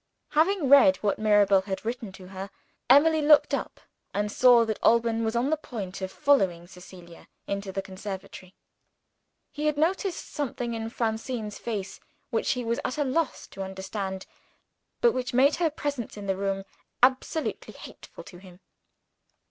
Having read what Mirabel had written to her, Emily looked up, and saw that Alban was on the point of following Cecilia into the conservatory. He had noticed something in Francine's face which he was at a loss to understand, but which made her presence in the room absolutely hateful to him.